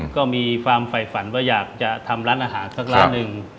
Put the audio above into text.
ก็มีความฝ่ายฝันว่าอยากจะทำร้านอาหารสักร้านหนึ่ง